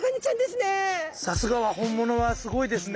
さすがは本物はすごいですね。